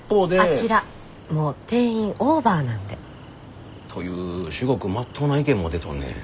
あちらもう定員オーバーなんで。という至極まっとうな意見も出とんねん。